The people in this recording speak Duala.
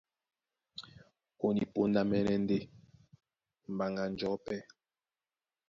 Ó ní póndá mɛ́nɛ́ ndé mbaŋga njɔ̌ pɛ́,